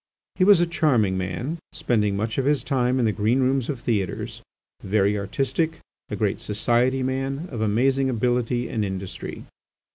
He was a charming man, spending much of his time in the green rooms of theatres, very artistic, a great society man, of amazing ability and industry.